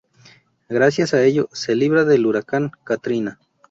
Gracias a ello, se libra del huracán Katrina.